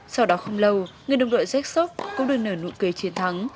sau đó không lâu người đồng đội zexox cũng được nở nụ cười chiến thắng